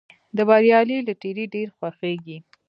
د بریالي لټیري ډېر خوښیږي.